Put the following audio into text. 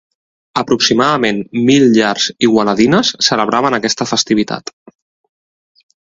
Aproximadament mil llars igualadines celebraven aquesta festivitat.